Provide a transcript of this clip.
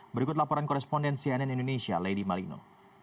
berikut laporan koresponden cnn indonesia lady malino